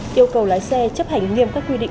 yêu cầu lái xe chấp hành nghiêm các quy định